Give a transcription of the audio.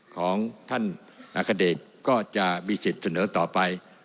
ของท่านอัคเดชก็จะมีสิทธิ์เสนอต่อไป